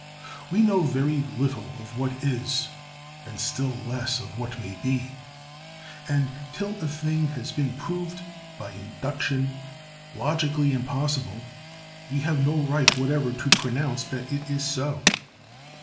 We know very little of what is, and still less of what may be; and till a thing has been proved, by induction, logically impossible, we have no right whatever to pronounce that it is so.